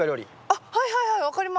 あっはいはいはい分かります。